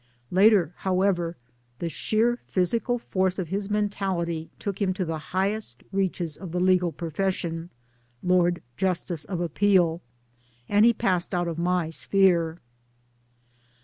Later however the sheer physical force of his mentality took him to the highest reaches of the legal profession (Lord Justice of Appeal) and he passed out of my sphere.